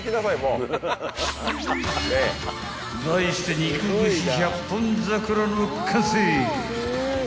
［題して肉串１００本桜の完成！］